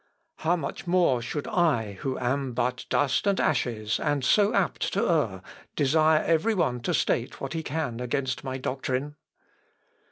How much more should I, who am but dust and ashes and so apt to err, desire every one to state what he can against my doctrine?